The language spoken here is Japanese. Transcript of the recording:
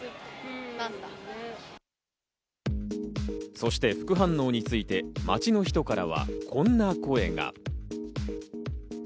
そして副反応について街の人からはこんな声が。